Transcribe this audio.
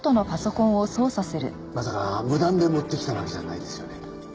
まさか無断で持ってきたわけじゃないですよね。